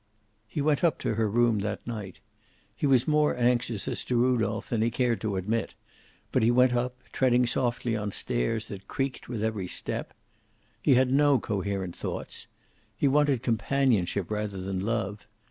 He went up to her room that night. He was more anxious as to Rudolph than he cared to admit, but he went up, treading softly on stairs that creaked with every step. He had no coherent thoughts. He wanted companionship rather than love.